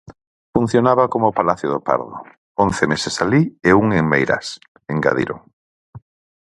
"Funcionaba como o palacio do Pardo; once meses alí e un en Meirás", engadiron.